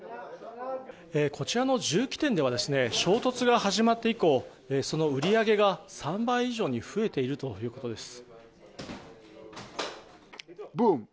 こちらの銃器店では衝突が始まって以降売り上げが３倍以上に増えているということです。